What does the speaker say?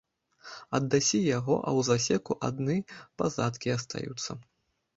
Аддасі яго, а ў засеку адны пазадкі астаюцца.